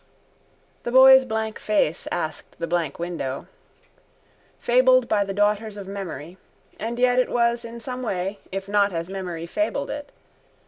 The boy's blank face asked the blank window. Fabled by the daughters of memory. And yet it was in some way if not as memory fabled it.